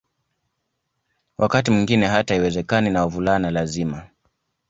Wakati mwingine hata haiwezekani na wavulana lazima